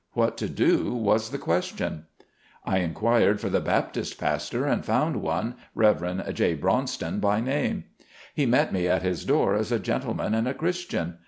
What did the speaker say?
What to do was the question ? I inquired for the Baptist pastor and found one, Rev. J. Brownston by name. He met me at his door as a gentleman and a Christian.